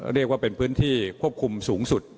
เรียกว่าเป็นพื้นที่ควบคุมสูงสุด